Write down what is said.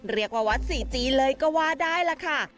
เรียกว่าวัดสี่จีนเลยก็ว่าได้ล่ะค่ะ